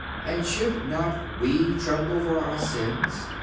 And should not we tremble for our sins?